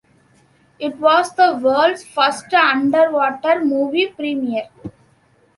It was the world's first underwater movie premiere.